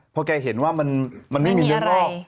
พอแกเห็นว่ามันไม่มีเนื้องอก